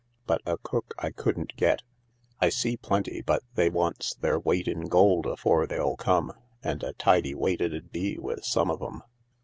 But a cook I couldn't get. I see plenty, but they wants their weight in gold afore they'll come, and a tidy weight it 'ud be with some of 'em.